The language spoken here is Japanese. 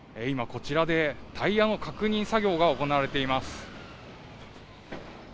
今、こちらでタイヤの確認作業が行われています。